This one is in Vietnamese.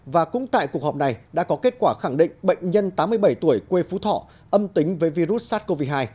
và cũng tại cuộc họp này đã có kết quả khẳng định bệnh nhân tám mươi bảy tuổi quê phú thọ âm tính với virus sars cov hai